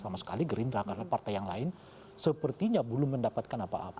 sama sekali gerindra karena partai yang lain sepertinya belum mendapatkan apa apa